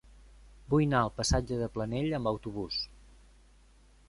Vull anar al passatge de Planell amb autobús.